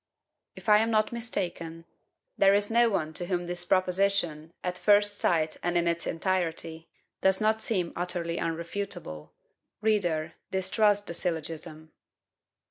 If I am not mistaken, there is no one to whom this proposition, at first sight and in its entirety, does not seem utterly irrefutable. Reader, distrust the syllogism.